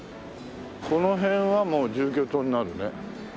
この辺はもう住居棟になるね。